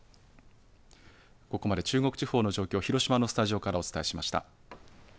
ここまで中国地方の状況、広島のスタジオからお伝えしました。